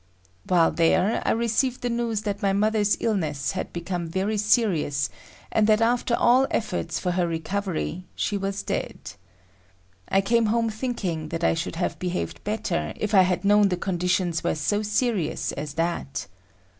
While there, I received the news that my mother's illness had become very serious, and that after all efforts for her recovery, she was dead. I came home thinking that I should have behaved better if I had known the conditions were so serious as that.